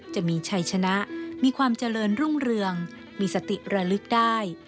จะมีชัยชนะมีความเจริญรุ่งเรืองมีสติระลึกได้